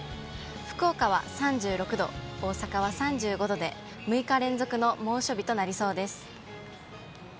福岡は３６度、大阪は３５度で、６日連続の猛暑日となりそうです。